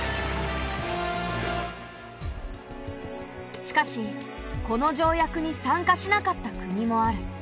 しかしこの条約に参加しなかった国もある。